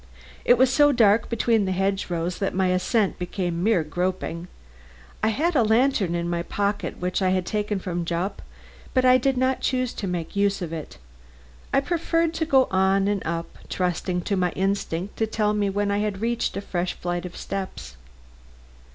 It was so dark between the hedge rows that my ascent became mere groping. I had a lantern in my pocket which I had taken from Jupp, but I did not choose to make use of it. I preferred to go on and up, trusting to my instinct to tell me when I had reached a fresh flight of steps.